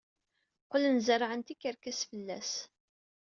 Qqlen zerrɛen tikerkas fell-as.